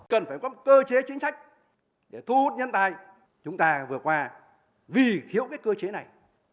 cần phải có một cơ chế chính sách để thu hút nhân tài chúng ta vừa qua vì thiếu cái cơ chế này